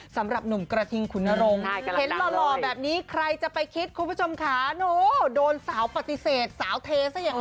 สำหรับหนุ่มกระทิงขุนรงค์เห็นหล่อแบบนี้ใครจะไปคิดคุณผู้ชมค่ะหนูโดนสาวปฏิเสธสาวเทซะอย่างนั้น